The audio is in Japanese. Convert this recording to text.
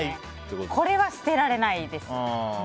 これは捨てられないです。